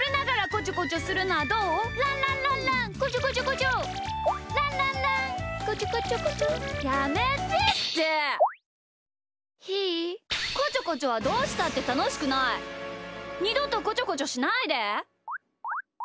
こちょこちょはどうしたってたのしくない！にどとこちょこちょしないで！